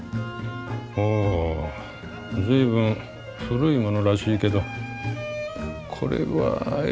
お随分古いものらしいけどこれはいいか。